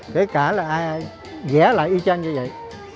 để cả là ai gã lại y chang như vậy